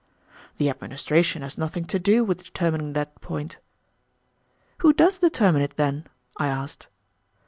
"The administration has nothing to do with determining that point." "Who does determine it, then?" I asked.